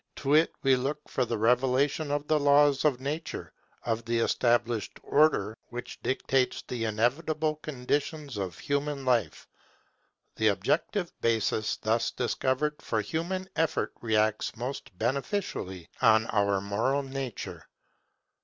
To it we look for the revelation of the laws of nature, of the established Order which dictates the inevitable conditions of human life. The objective basis thus discovered for human effort reacts most beneficially on our moral nature.